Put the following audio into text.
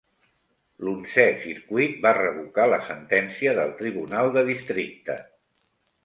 L'onzè circuit va revocar la sentència del tribunal de districte.